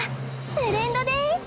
ブレンドです。